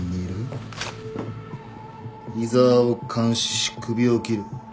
井沢を監視し首を切る。